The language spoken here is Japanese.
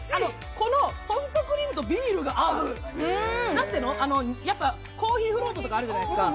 このソフトクリームとビールが合うコーヒ−フロートってあるじゃないですか